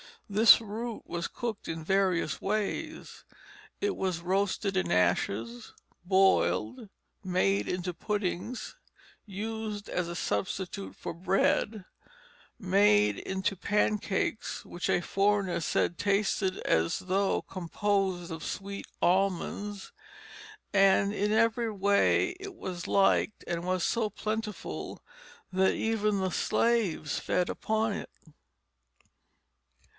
This root was cooked in various ways: it was roasted in the ashes, boiled, made into puddings, used as a substitute for bread, made into pancakes which a foreigner said tasted as though composed of sweet almonds; and in every way it was liked and was so plentiful that even the slaves fed upon it.